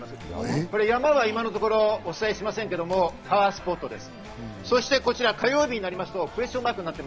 山は今のところお伝えしていませんけど、パワースポットです。